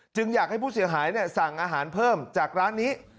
อยากให้ผู้เสียหายสั่งอาหารเพิ่มจากร้านนี้